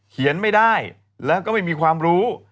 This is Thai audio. เขียนไม่ได้แล้วก็ไม่มีความรู้